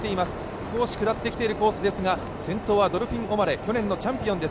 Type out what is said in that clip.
少し下ってきているコースですが先頭はドルフィン・オマレ去年のチャンピオンです。